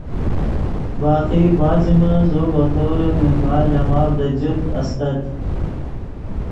باقی بعد ژے من زو بطور ممبار لے ماف دے جفت استت